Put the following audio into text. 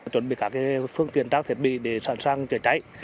chuẩn bị các phương tiện trang thiết bị để sẵn sàng chữa cháy